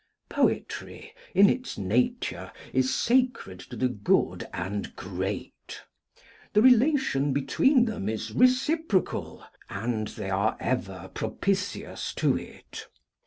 Poetry, in its nature, is sacred to the good and great: the relation between them is reciprocal, and they are ever propitious to it.